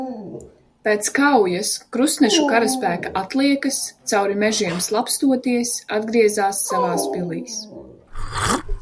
Pēc kaujas krustnešu karaspēka atliekas, cauri mežiem slapstoties, atgriezās savās pilīs.